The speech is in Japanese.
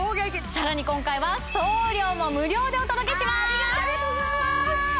さらに今回は送料も無料でお届けしますありがとう！